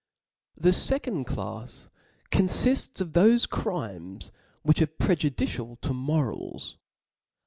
The fecond clafs confifts of thofe crimes whi^h are prejudicial to morals.